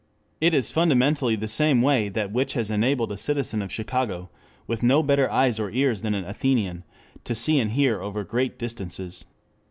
It is fundamentally the same way as that which has enabled a citizen of Chicago, with no better eyes or ears than an Athenian, to see and hear over great distances.